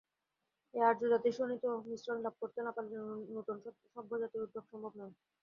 এই আর্যজাতির শোণিত-মিশ্রণ লাভ করতে না পারলে নূতন সভ্যজাতির উদ্ভব সম্ভব নয়।